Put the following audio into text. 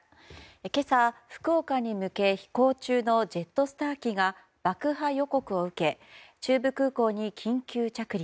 今朝、福岡に向け飛行中のジェットスター機が爆破予告を受け中部空港に緊急着陸。